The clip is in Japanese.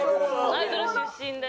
アイドル出身で。